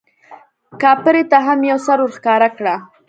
کاپري ته هم یو سر ورښکاره کړه.